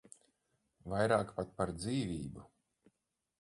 Vairāk pat par dzīvību.